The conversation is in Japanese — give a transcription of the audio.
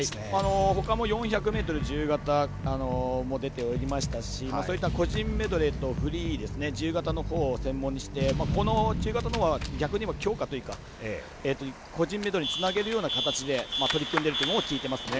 ほかも４００ｍ自由形も出ておりましたしそういった個人メドレーとフリー、自由形のほうを専門にして、この自由形のほうは強化というか個人メドレーにつなげるような形で取り組んでいるというのを聞いていますね。